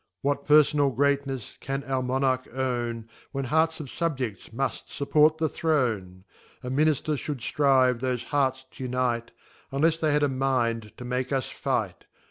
What pergonal greatnefs can our Monarch own, When hearts of Subje&s mnjt fnpport the Throne ! AndMinifter* fhould drive thofc hearts t'unite, Unlefs they had a mind to make us fighr.